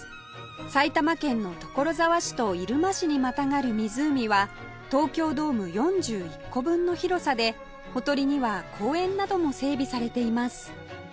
埼玉県の所沢市と入間市にまたがる湖は東京ドーム４１個分の広さでほとりには公園なども整備されています